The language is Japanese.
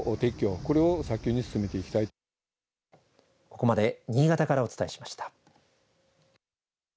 ここまで新潟からお伝えしました。